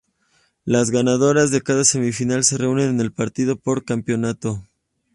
Las ganadoras de cada semifinal se reúnen en el partido por el campeonato.